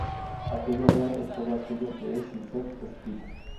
Aquello real es todo aquello que es, sin ser descrito.